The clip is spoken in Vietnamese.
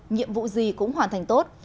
nhiệm vụ gì cũng hoàn thành tốt